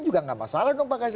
juga tidak masalah dong pak kasih